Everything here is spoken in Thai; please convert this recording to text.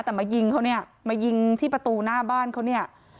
แต่มายิงเขาเนี่ยมายิงที่ประตูหน้าบ้านเขาเนี่ย